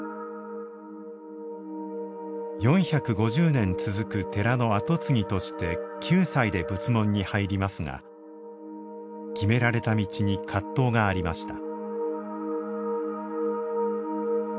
４５０年続く寺の跡継ぎとして９歳で仏門に入りますが決められた道に葛藤がありました。